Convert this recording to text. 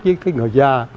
với cái người già